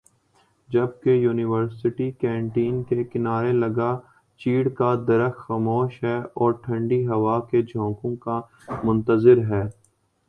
جبکہ university canteen کے کنارے لگا چیڑ کا درخت خاموش ہےاور ٹھنڈی ہوا کے جھونکوں کا منتظر ہے